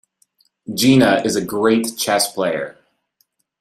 Gina is a great chess player.